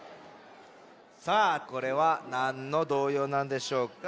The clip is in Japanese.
さあこれはなんの童謡なんでしょうか？